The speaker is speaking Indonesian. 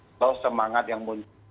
kalau semangat yang muncul